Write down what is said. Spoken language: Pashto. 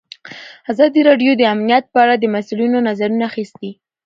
ازادي راډیو د امنیت په اړه د مسؤلینو نظرونه اخیستي.